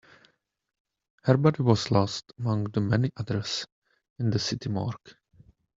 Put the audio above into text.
Her body was lost among the many others in the city morgue.